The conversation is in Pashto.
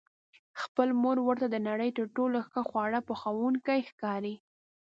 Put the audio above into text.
خپله مور ورته د نړۍ تر ټولو ښه خواړه پخوونکې ښکاري.